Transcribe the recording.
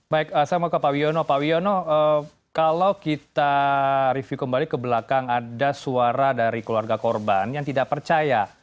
baik saya mau ke pak wiono pak wiono kalau kita review kembali ke belakang ada suara dari keluarga korban yang tidak percaya